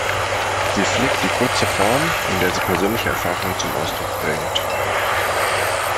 Sie pflegt die kurze Form, in der sie persönliche Erfahrungen zum Ausdruck bringt.